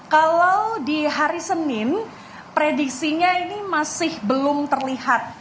kalau di hari senin prediksinya ini masih belum terlihat